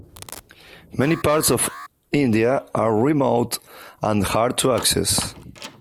Many parts of India are remote and hard to access.